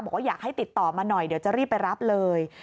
บอกว่าอยากให้ติดต่อมาหน่อยเดี๋ยวจะรีบไปรับเลย